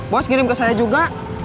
bos kirim ke saya juga